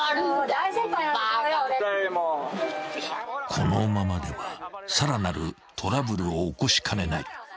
［このままではさらなるトラブルを起こしかねない］